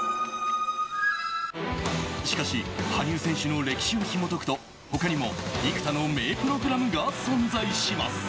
しかし羽生選手の歴史をひも解くと他にも幾多の名プログラムが存在します。